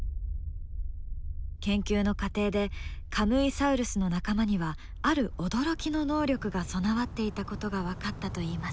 研究の過程でカムイサウルスの仲間にはある驚きの能力が備わっていたことが分かったといいます。